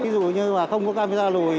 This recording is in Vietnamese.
ví dụ như mà không có camera lùi